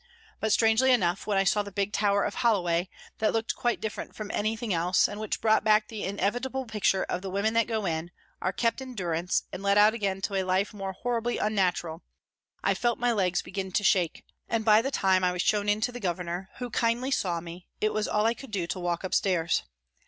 But, strangely enough, when I saw the big tower of Holloway, that looked quite different from anything else, and which brought back the inevitable picture of the women that go in, are kept in durance, and let out again to a life more horribly unnatural, I felt my legs begin to shake, and by the time I was shown in to the Governor, who kindly saw me, it was all I could do to walk upstairs.